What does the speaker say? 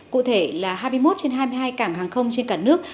cụ thể là hai mươi một trên hai mươi hai cảng hàng không trên cả nước